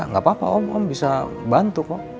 gak apa apa om om bisa bantu kok